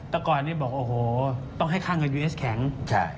แต่ก่อนนี้บอกโอ้โหต้องให้ค่าเงินยูเอสแข็ง